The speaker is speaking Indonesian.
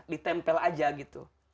ditempel aja gitu